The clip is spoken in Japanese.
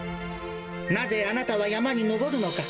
なぜあなたは山に登るのか？